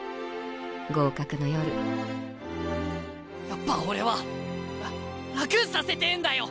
やっぱ俺は楽させてえんだよ